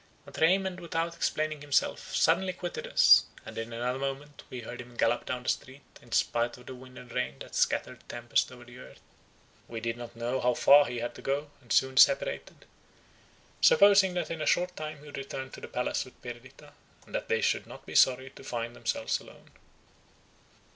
But Raymond, without explaining himself, suddenly quitted us, and in another moment we heard him gallop down the street, in spite of the wind and rain that scattered tempest over the earth. We did not know how far he had to go, and soon separated, supposing that in a short time he would return to the palace with Perdita, and that they would not be sorry to find themselves alone.